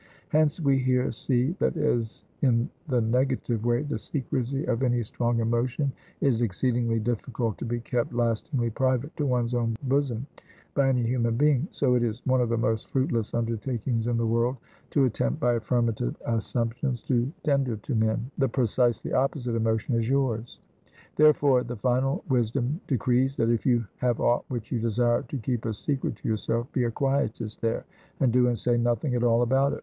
Hence we here see that as in the negative way the secrecy of any strong emotion is exceedingly difficult to be kept lastingly private to one's own bosom by any human being; so it is one of the most fruitless undertakings in the world, to attempt by affirmative assumptions to tender to men, the precisely opposite emotion as yours. Therefore the final wisdom decrees, that if you have aught which you desire to keep a secret to yourself, be a Quietist there, and do and say nothing at all about it.